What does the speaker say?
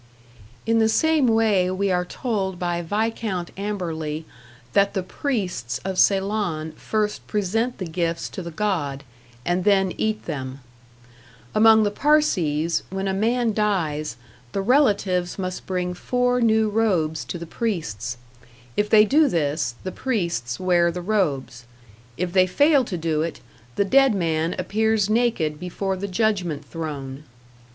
In the same way we are told by Viscount Amberley that the priests of Ceylon first present the gifts to the god, and then eat them. Among the Parsees, when a man dies, the relatives must bring four new robes to the priests; if they do this, the priests wear the robes; if they fail to do it, the dead man appears naked before the judgment throne.